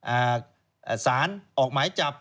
อ่าสารออกหมายจับ